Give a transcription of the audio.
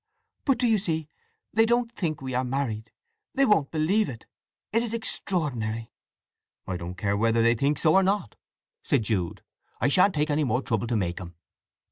"But do you see they don't think we are married? They won't believe it! It is extraordinary!" "I don't care whether they think so or not," said Jude. "I shan't take any more trouble to make them."